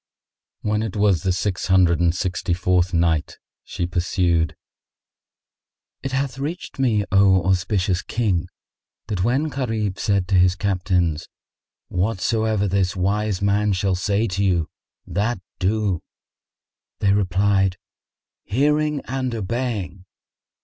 When it was the Six Hundred and Sixty fourth Night, She pursued, It hath reached me, O auspicious King, that when Gharib said to his Captains, "Whatsoever this wise man shall say to you, that do"; they replied, "Hearing and obeying!"